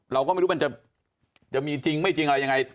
เราก็ไม่รู้มันจะมีจริงไม่จริงอะไรยังไง